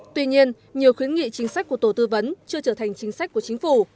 tuy nhiên nhiều khuyến nghị chính sách của tổ tư vấn chưa trở thành chính sách của chính phủ